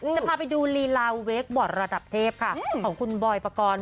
จะพาไปดูลีลาเวคบอร์ดระดับเทพค่ะของคุณบอยปกรณ์